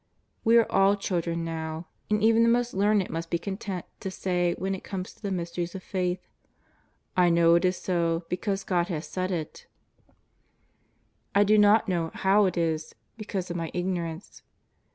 We are all children now, and even the most learned must be content to say when it comes to the mysteries of faith :" I know it is so, because God has said it. I JESUS OF NAZAEETH. 129 do not know how it is, because of my ignorance.